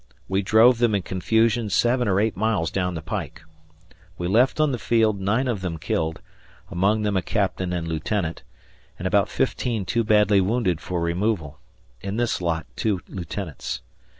We drove them in confusion seven or eight miles down the pike. We left on the field nine of them killed among them a captain and lieutenant and about fifteen too badly wounded for removal; in this lot two lieutenants.